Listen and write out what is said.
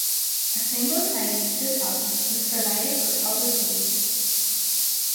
A single siding to the south was provided for public use.